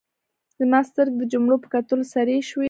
زما سترګې د جملو په کتلو سرې شوې.